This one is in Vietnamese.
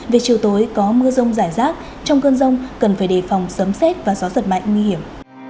về chiều tối có mưa rông rải rác trong cơn rông cần phải đề phòng sấm xét và gió giật mạnh nguy hiểm